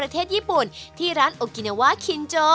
ที่ร้าน